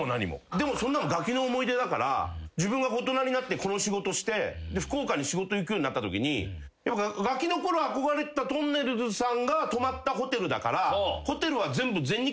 でもそんなのがきの思い出だから自分が大人になってこの仕事して福岡に仕事行くようになったときにがきのころ憧れてたとんねるずさんが泊まったホテルだから。